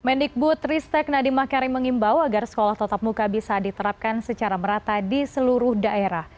mendikbu tristek nadiemah karim mengimbau agar sekolah tetap muka bisa diterapkan secara merata di seluruh daerah